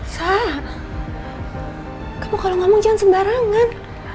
sah kamu kalau ngomong jangan sembarangan